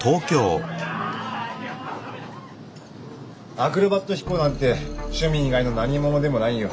アクロバット飛行なんて趣味以外のなにものでもないよ。